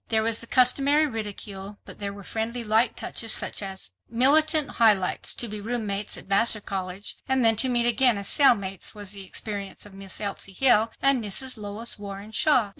There was the customary ridicule, but there were friendly light touches such as, "Militant Highlights—To be roommates at Vassar College and then to meet again as cellmates was the experience of Miss Elsie Hill and Mrs. Lois Warren Shaw."